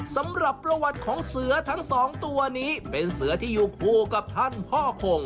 สำหรับประวัติของเสือทั้งสองตัวนี้เป็นเสือที่อยู่คู่กับท่านพ่อคง